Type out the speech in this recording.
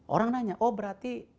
orang nanya oh berarti